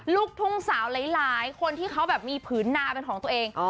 ลูกทุ่งสาวหลายคนที่เขาแบบมีผืนนาเป็นของตัวเอง